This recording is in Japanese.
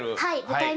はい。